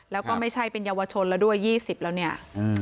แล้วก็ไม่ใช่เป็นเยาวชนแล้วด้วย๒๐แล้วเนี่ย